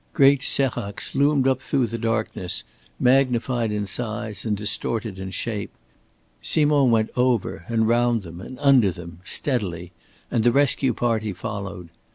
Great séracs loomed up through the darkness, magnified in size and distorted in shape. Simond went over and round them and under them, steadily, and the rescue party followed.